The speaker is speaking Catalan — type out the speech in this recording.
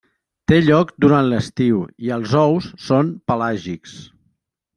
Té lloc durant l'estiu i els ous són pelàgics.